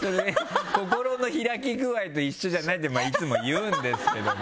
心の開き具合と一緒じゃないっていつも言うんですけど。